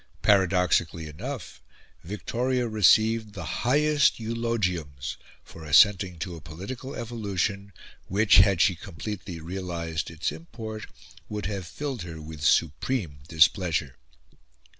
Paradoxically enough, Victoria received the highest eulogiums for assenting to a political evolution, which, had she completely realised its import, would have filled her with supreme displeasure.